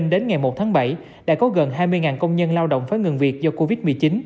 đến ngày một tháng bảy đã có gần hai mươi công nhân lao động phải ngừng việc do covid một mươi chín